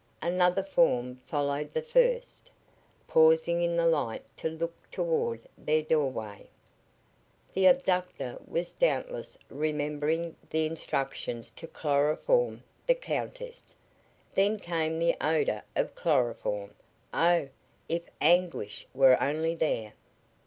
Another form followed the first, pausing in the light to look toward their doorway. The abductor was doubtless remembering the instructions to chloroform the Countess. Then came the odor of chloroform. Oh, if Anguish were only there!